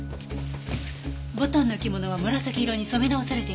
牡丹の着物は紫色に染め直されていました。